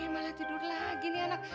malah tidur lagi nih anaknya